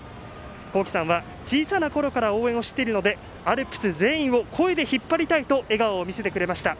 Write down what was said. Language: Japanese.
浩輝さんは応援をしているのでアルプス全員を声で引っ張りたいと笑顔を見せてくれました。